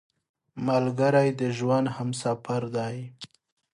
ملګری د ژوند همسفر دی